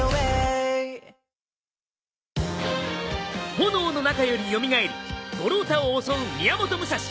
炎の中より蘇り五郎太を襲う宮本武蔵。